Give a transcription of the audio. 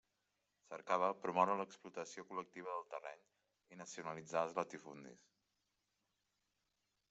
Cercava promoure l'explotació col·lectiva del terreny, i nacionalitzar els latifundis.